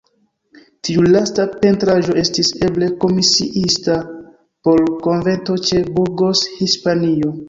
Tiu lasta pentraĵo estis eble komisiita por konvento ĉe Burgos, Hispanio.